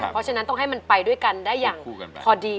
เพราะฉะนั้นต้องให้มันไปด้วยกันได้อย่างพอดี